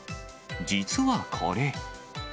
実はこれ。